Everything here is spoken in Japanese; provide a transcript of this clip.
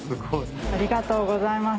ありがとうございます。